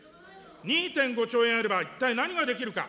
２．５兆円あれば一体何ができるか。